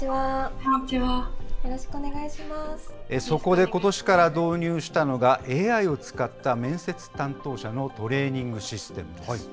そこでことしから導入したのが、ＡＩを使った面接担当者のトレーニングシステムです。